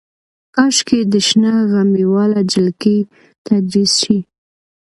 کاشکې د شنه غمي واله جلکۍ تدریس شي.